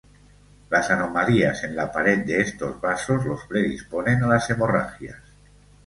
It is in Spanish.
Las anomalías en la pared de estos vasos los predisponen a las hemorragias.